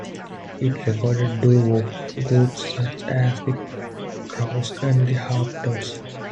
It recorded doo-wop groups such as The Crows and The Harptones.